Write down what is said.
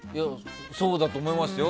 そうだと思いますよ。